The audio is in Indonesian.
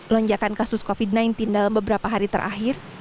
lonjakan kasus covid sembilan belas dalam beberapa hari terakhir